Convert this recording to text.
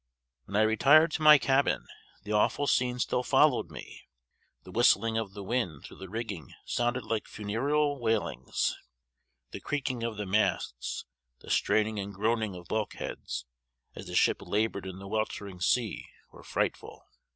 When I retired to my cabin, the awful scene still followed me. The whistling of the wind through the rigging sounded like funereal wailings. The creaking of the masts; the straining and groaning of bulkheads, as the ship labored in the weltering sea, were frightful.